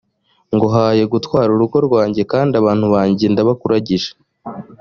nguhaye gutwara urugo rwanjye kandi abantu banjye ndabakuragije